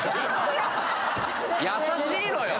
優しいのよ。